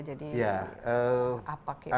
jadi apa kira kira